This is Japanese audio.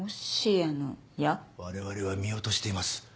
われわれは見落としています。